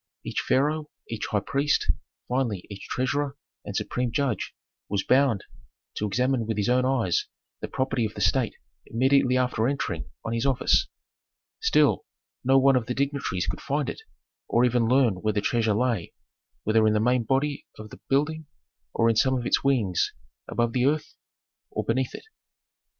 Each pharaoh, each high priest, finally each treasurer and supreme judge was bound to examine with his own eyes the property of the state immediately after entering on his office. Still, no one of the dignitaries could find it, or even learn where the treasure lay, whether in the main body of the building or in some of its wings, above the earth or beneath it.